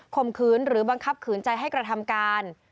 มขืนหรือบังคับขืนใจให้กระทำการ